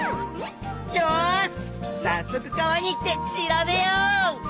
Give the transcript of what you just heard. よしさっそく川に行って調べよう！